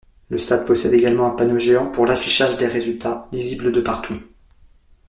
Le stade possède également un panneau géant pour l'affichage des résultats, lisible de partout.